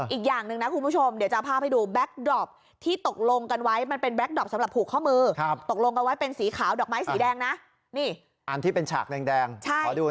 อีกอย่างนึงนะคุณผู้ชมเดี๋ยวจะเอาภาพให้ดู